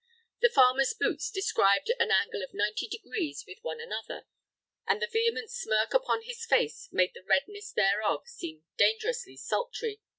The farmer's boots described an angle of ninety degrees with one another, and the vehement smirk upon his face made the redness thereof seem dangerously sultry.